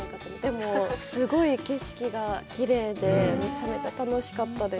でも、すごい景色がきれいで、めちゃめちゃ楽しかったです。